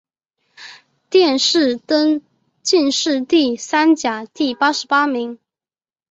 殿试登进士第三甲第八十八名。